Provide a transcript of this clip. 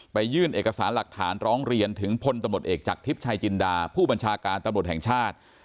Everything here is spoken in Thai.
ยื่นเอกสารหลักฐานร้องเรียนถึงพลตำรวจเอกจากทิพย์ชายจินดาผู้บัญชาการตำรวจแห่งชาติ